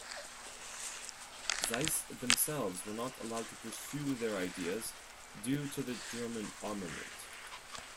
Zeiss themselves were not allowed to pursue their ideas, due to the German armament.